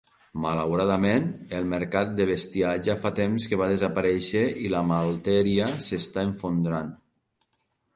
Malauradament, el mercat de bestiar ja fa temps que va desaparèixer i la malteria s'està esfondrant.